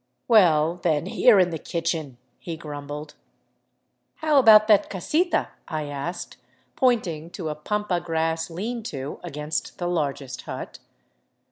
" Well, then, here in the kitchen," he grumbled. " How about that casita ?" I asked, pointing to a pampa grass lean to against the largest hut.